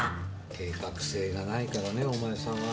計画性がないからねお前さんは。